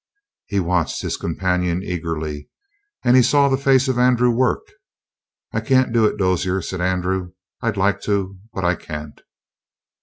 He watched his companion eagerly, and he saw the face of Andrew work. "I can't do it, Dozier," said Andrew. "I'd like to. But I can't!"